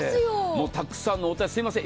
もうたくさんのお電話すみません。